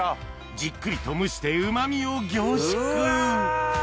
じっくりと蒸してうま味を凝縮うわ！